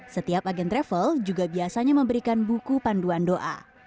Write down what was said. setiap agen travel juga biasanya memberikan buku panduan doa